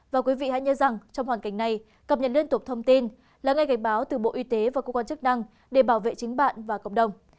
và quý vị hãy nhớ rằng trong hoàn cảnh này cập nhật liên tục thông tin là ngay cảnh báo từ bộ y tế và cơ quan chức năng để bảo vệ chính bạn và cộng đồng